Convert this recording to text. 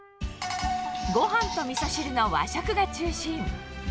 ごはんとみそ汁の和食が中心。